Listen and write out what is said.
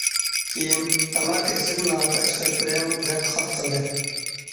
كېيىن« تاماكا ئىسىدىن ھالقا چىقىرىپ بېرىڭ» دەپ خاپا قىلدى.